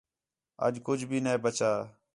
اَڄ کُج بھی نے ٻچّا